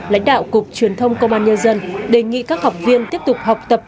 lãnh đạo cục truyền thông công an nhân dân đề nghị các học viên tiếp tục học tập